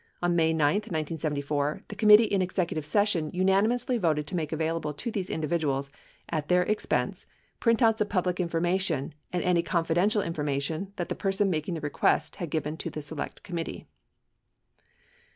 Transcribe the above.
On May 9, 1974, the committee in executive session unanimously voted to make available to these individuals, at their expense, print outs of public information and any confidential information that the person making the request had given to the Select Committee.